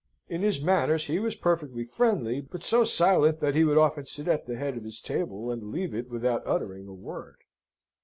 In his manners he was perfectly friendly, but so silent that he would often sit at the head of his table, and leave it without uttering a word.